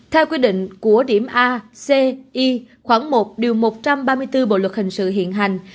theo quy định của điểm a ci khoảng một điều một trăm ba mươi bốn bộ luật hình sự hiện hành